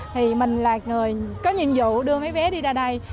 thì mình là người có nhiệm vụ đưa mấy vé đi ra đây